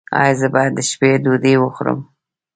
ایا زه باید د شپې ډوډۍ وخورم؟